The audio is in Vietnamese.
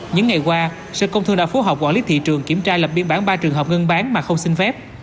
những ngày qua sở công thương đã phối hợp quản lý thị trường kiểm tra lập biên bản ba trường hợp ngưng bán mà không xin phép